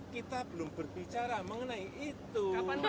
kita belum berbicara mengenai itu